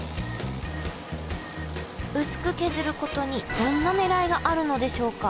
薄く削ることにどんなねらいがあるのでしょうか？